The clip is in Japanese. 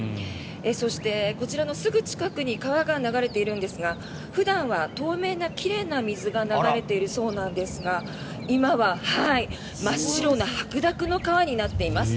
そして、こちらのすぐ近くに川が流れているんですが普段は透明な奇麗な水が流れているそうなんですが今は真っ白な白濁の川になっています。